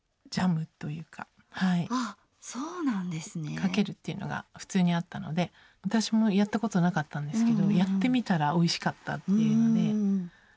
かけるっていうのが普通にあったので私もやったことなかったんですけどやってみたらおいしかったっていうので。